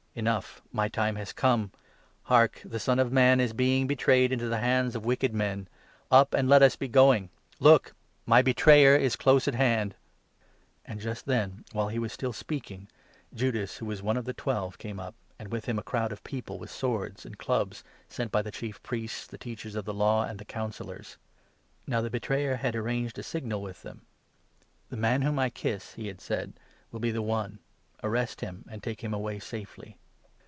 Enough ! My time has come. Hark ! the Son of Man is being betrayed into the hands of wicked men. Up, and let us be going. Look ! 42 my betrayer is close at hand. " The And just then, while he was still speaking, 43 Arrest of Judas, who was one of the Twelve, came up ; jesua. ancj with him a crowd of people, with swords and clubs, sent by the Chief Priests, the Teachers of the Law, and the Councillors. Now the betrayer had arranged a 44 signal with them. "The man whom I kiss," he had said, "will be the one ; arrest him and take him away safely."